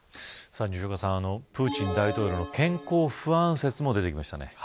西岡さん、プーチン大統領の健康不安説も出てきましたね。